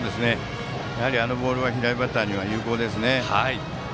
やはりあのボールは左バッターには有効ですね。